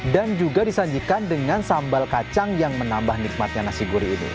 dan juga disajikan dengan sambal kacang yang menambah nikmatnya nasi guri ini